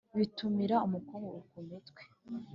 Bītumurira umukungugu ku mitwe,